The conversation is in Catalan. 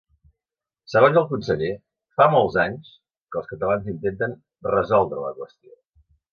Segons el conseller, ‘fa molts anys’ que els catalans intenten ‘resoldre la qüestió’.